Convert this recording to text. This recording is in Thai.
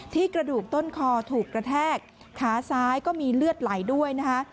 กระดูกต้นคอถูกกระแทกขาซ้ายก็มีเลือดไหลด้วยนะคะ